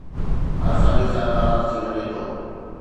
آساني سان ناراض ٿي وڃي ٿو